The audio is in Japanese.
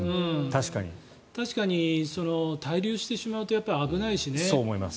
確かに、滞留してしまうと危ないしね。